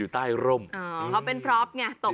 สุดยอดน้ำมันเครื่องจากญี่ปุ่น